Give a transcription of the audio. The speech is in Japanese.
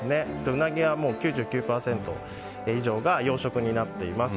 ウナギは９９％以上が養殖となっています。